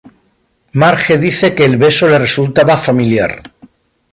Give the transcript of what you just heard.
Marge dice que el beso le resultaba familiar.